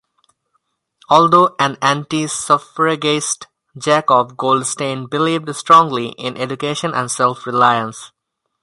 Although an anti-suffragist Jacob Goldstein believed strongly in education and self-reliance.